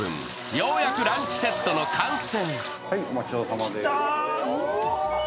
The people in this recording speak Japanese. ようやくランチセットの完成。